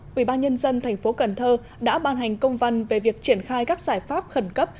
quỹ ban nhân dân thành phố cần thơ đã ban hành công văn về việc triển khai các giải pháp khẩn cấp